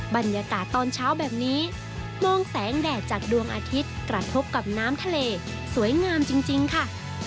บรรยากาศตอนเช้าแบบนี้มองแสงแดดจากดวงอาทิตย์กระทบกับน้ำทะเลสวยงามจริงค่ะ